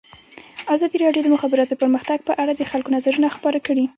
ازادي راډیو د د مخابراتو پرمختګ په اړه د خلکو نظرونه خپاره کړي.